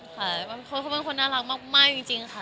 เขาเป็นคนน่ารักมากจริงค่ะ